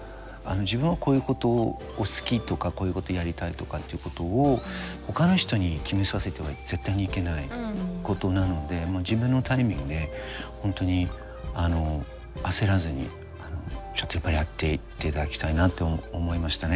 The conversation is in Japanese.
自分はこういうことを好きとかこういうことをやりたいとかっていうことをほかの人に決めさせては絶対にいけないことなのでもう自分のタイミングで本当に焦らずにちょっとやっぱりやっていっていただきたいなと思いましたね